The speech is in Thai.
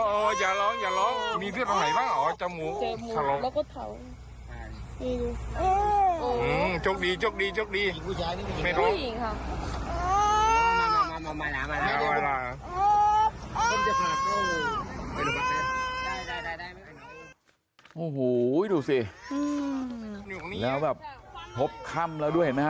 โอ้โหดูสิแล้วแบบพบค่ำแล้วด้วยเห็นไหมฮ